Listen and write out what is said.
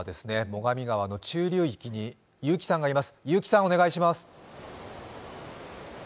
最上川の中流域に結城さんがいます。